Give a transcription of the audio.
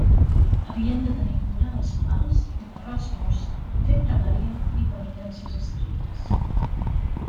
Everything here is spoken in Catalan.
Havien de tenir cura dels malalts, enterrar els morts, fer pregària i penitències estrictes.